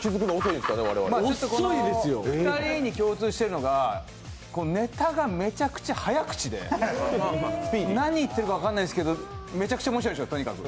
２人に共通してるのがネタがめちゃくちゃ早口で何言ってるか分からないんですけど、とにかく面白いんですよ。